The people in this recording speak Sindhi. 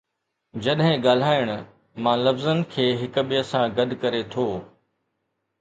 جڏهن ڳالهائڻ، مان لفظن کي هڪ ٻئي سان گڏ ڪري ٿو